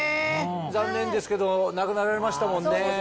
残念ですけど亡くなられましたもんね。